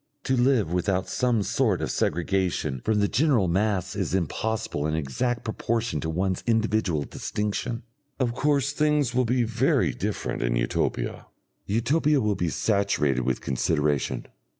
To live without some sort of segregation from the general mass is impossible in exact proportion to one's individual distinction. Of course things will be very different in Utopia. Utopia will be saturated with consideration.